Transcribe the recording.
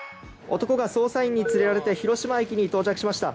男が捜査員に連れられて、広島駅に到着しました。